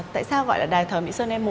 tại sao gọi là đài thờ mỹ sơn e một